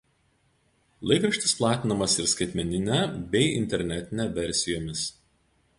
Laikraštis platinamas ir skaitmenine bei internetine versijomis.